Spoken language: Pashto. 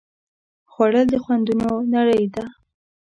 خوړل د خوندونو نړۍ ده